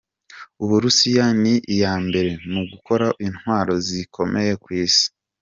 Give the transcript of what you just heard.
Ubu Russia ni iya mbere mu gukora intwaro zikomeye ku isi.